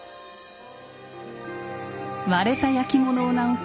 割れた焼き物を直す